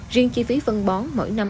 riêng chi phí phân bón mỗi năm